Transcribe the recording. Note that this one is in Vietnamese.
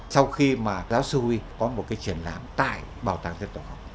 sau khi mà giáo sư huy có một cái triển lãm tại bảo tàng dân tộc học